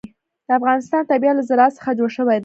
د افغانستان طبیعت له زراعت څخه جوړ شوی دی.